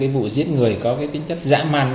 vụ giết người có tính chất dã man